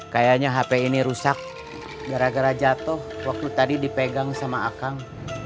kayaknya hp ini rusak gara gara jatuh waktu tadi dipegang sama akang